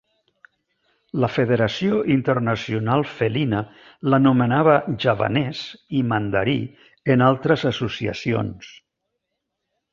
La Federació Internacional Felina l'anomenava Javanès i Mandarí en altres associacions.